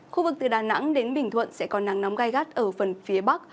khu vực từ đà nẵng đến bình thuận sẽ có nắng nóng gai gắt ở phần phía bắc